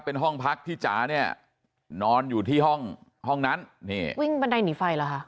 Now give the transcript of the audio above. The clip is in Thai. เป็นห้องพักที่จ๋าเนี่ยนอนอยู่ที่ห้องห้องนั้นนี่วิ่งบันไดหนีไฟเหรอคะ